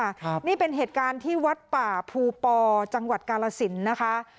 ครับนี่เป็นเหตุการณ์ที่วัดป่าภูปอจังหวัดกาลสินนะคะ